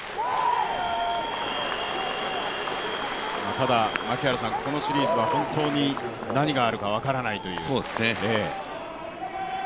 ただ、このシリーズは本当に何があるか分からないという。